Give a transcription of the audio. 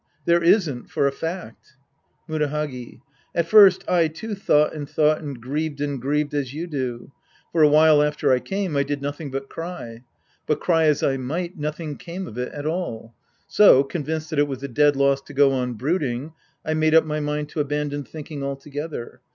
There isn't, for a fact. Murahagi. At first I, too, thought and thought and grieved and grieved as you do. For a while after I came, I did nothing but cry. But cry as I might, nothing came of it at all ; so, convinced that it was a dead loss to go on brooding, I made up my mind to abandon thinking altogether.